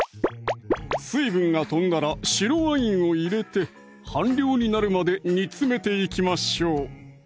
水分が飛んだら白ワインを入れて半量になるまで煮詰めていきましょう